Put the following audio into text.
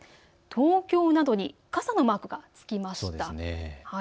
東京などに傘のマークがつきました。